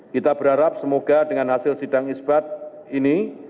kita berharap semoga dengan hasil sidang isbat ini